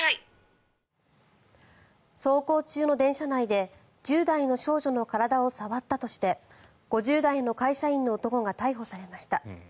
走行中の電車内で１０代の少女の体を触ったとして５０代の会社員の男が逮捕されました。